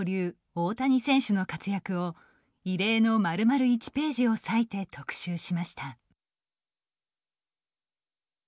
大谷選手の活躍を異例のまるまる１ページを割いて特集しました。